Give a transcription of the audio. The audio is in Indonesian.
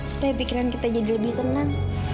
supaya pikiran kita jadi lebih tenang